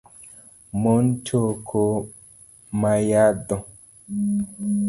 Mon toko mayadho